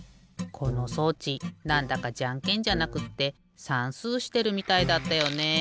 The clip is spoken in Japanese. この装置なんだかじゃんけんじゃなくってさんすうしてるみたいだったよね。